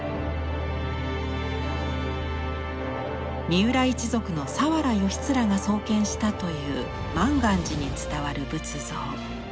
三浦一族の佐原義連が創建したという満願寺に伝わる仏像。